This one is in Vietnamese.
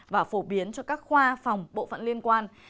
và phổ biến cho các khoa phòng bộ phận liên quan